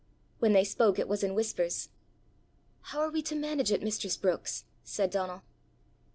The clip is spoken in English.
When they spoke, it was in whispers. "How are we to manage it, mistress Brookes?" said Donal.